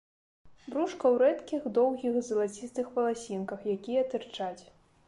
Брушка ў рэдкіх доўгіх залацістых валасінках, якія тырчаць.